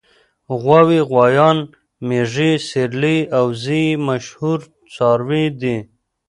غواوې غوایان مېږې سېرلي او وزې یې مشهور څاروي دي.